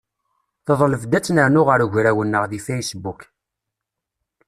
Teḍleb-d ad tt-nernu ɣer ugraw-nneɣ deg Facebook.